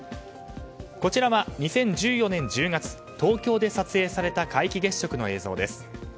こちらは２０１４年１０月東京で撮影された皆既月食の映像です。